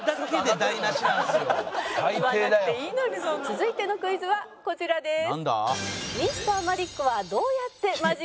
続いてのクイズはこちらです。